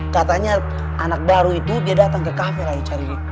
katanya anak baru itu dia datang ke kafe lagi cari